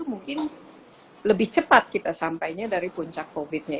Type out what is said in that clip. mungkin bisa selama setengah hari tapi harga sengaja